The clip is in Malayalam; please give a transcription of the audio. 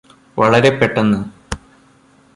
വളരെ പെട്ടന്ന്